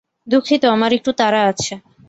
দুঃখিত, আমার একটু তাড়া আছে।